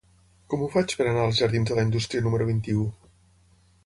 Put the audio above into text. Com ho faig per anar als jardins de la Indústria número vint-i-u?